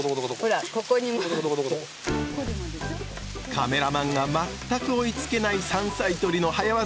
カメラマンが全く追いつけない山菜採りの早業。